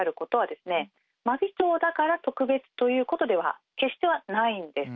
真備町だから特別ということでは決してないんです。